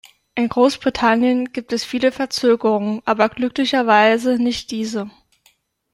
In Großbritannien gibt es viele Verzögerungen, aber glücklicherweise nicht diese.